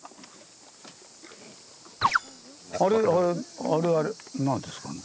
あれあれあれ何ですかね？